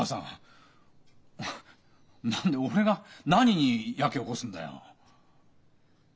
何で俺が何にヤケ起こすんだよ。